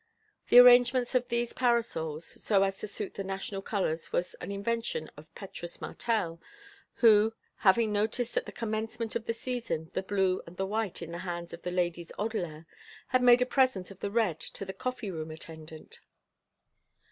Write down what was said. The arrangement of these three parasols so as to suit the national colors was an invention of Petrus Martel, who, having noticed at the commencement of the season the blue and the white in the hands of the ladies Odelin, had made a present of the red to the coffee room attendant.